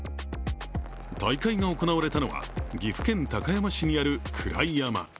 大会が行われたのは岐阜県高山市にある位山。